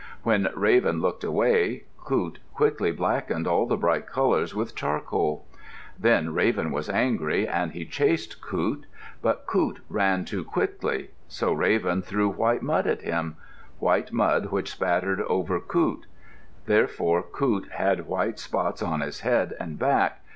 When Raven looked away, Coot quickly blackened all the bright colors with charcoal. Then Raven was angry and he chased Coot. But Coot ran too quickly, so Raven threw white mud at him, white mud which spattered over Coot. Therefore Coot had white spots on his head and back.